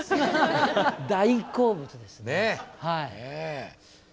大好物ですよ。